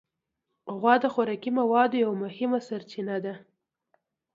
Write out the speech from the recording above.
غوا د خوراکي موادو یو مهمه سرچینه ده.